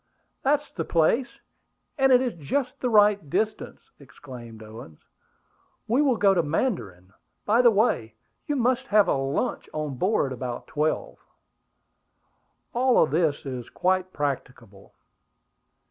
"That's the place; and it is just the right distance!" exclaimed Owen. "We will go to Mandarin. By the way, you must have a lunch on board about twelve." "All this is quite practicable."